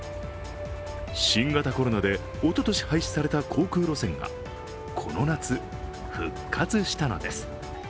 新型コロナでおととし廃止された航空路線がこの夏、復活したのです。